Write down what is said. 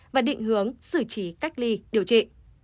và định hướng xử trí cách ly điều trị